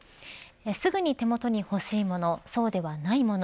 すぐに手元にほしいものそうではないもの